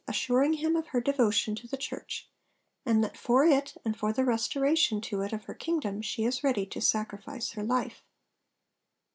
assuring him of her devotion to the Church, and that for it and for the restoration to it of her kingdom she is ready to sacrifice her life.